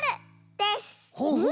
です。